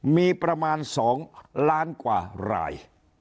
มีประมาณ๒ล้านกว่าราย